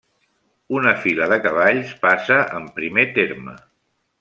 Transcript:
Una fila de cavalls passa en primer terme.